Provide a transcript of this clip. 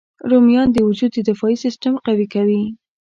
رومیان د وجود دفاعي سیسټم قوي کوي